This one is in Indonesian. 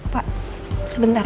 pak sebentar ya